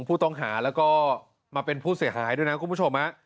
ผู้ต้องหาแล้วก็มาเป็นผู้เสียหายด้วยนะคุณผู้ชม